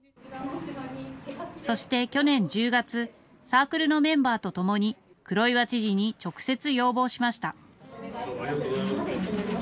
そして去年１０月、サークルのメンバーとともに黒岩知事に直接、要望しました。